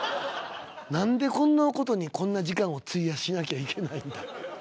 何でこんなことにこんな時間を費やしなきゃいけないんだ。